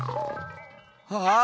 ああ！